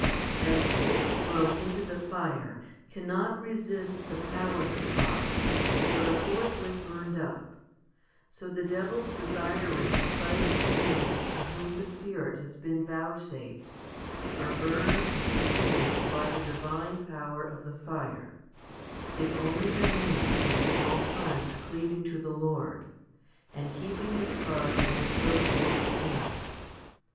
As sticks thrown into the fire cannot resist the power of the fire, but are forthwith burned up, so the devils desiring to fight with a man to whom the Spirit has been vouchsafed are burned and consumed by the divine power of the fire, if only the man is at all times cleaving to the Lord, and keeping his trust and his hope towards Him.